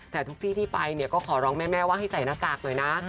แต่ทุกที่ที่ไปเนี่ยก็ขอร้องแม่ว่าให้ใส่หน้ากากหน่อยนะ